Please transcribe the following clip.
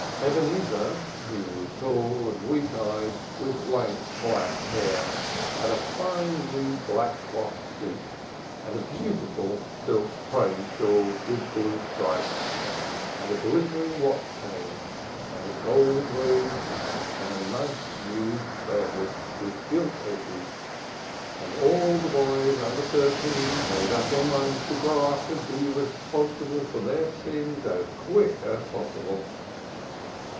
Ebenezer, who was tall and weak eyed, with lank black hair, had a fine new black cloth suit and a beautiful silk praying shawl with blue stripes, and a glittering watch chain and a gold ring and a nice new Prayer book with gilt edges, and all the boys under thirteen made up their minds to grow up and be responsible for their sins as quick as possible.